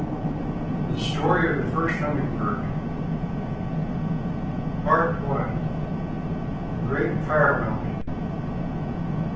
THE STORY OF THE FIRST HUMMING BIRD. PART I. THE GREAT FIRE MOUNTAIN.